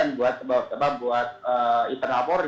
kemudian masalah itu menjadi beban buat internal polri